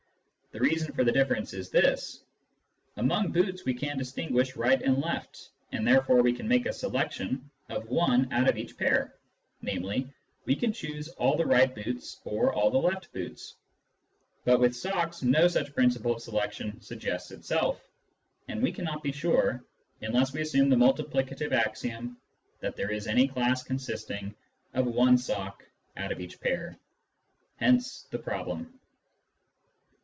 The reason for the difference is this : Among boots we can dis tinguish right and left, and therefore we can make a selection of one out of each pair, namely, we can choose all the right boots or all the left boots ; but with socks no such principle of selection suggests itself, and we cannot be sure, unless we assume the multiplicative axiom, that there is any class consisting of one sock out of each pair. Hence the problem.